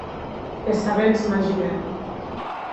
Qu’es sabents m’ajuden.